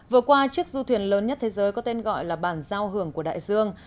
vừa qua chiếc du thuyền lớn nhất thế giới có tên gọi là bản giao hưởng của đại dương